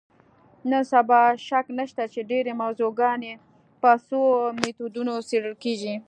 نن سبا شک نشته چې ډېری موضوعګانې په څو میتودونو څېړل کېږي.